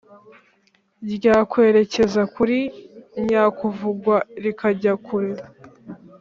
ryakwerekeza kuri nyakuvugwa rikajya kure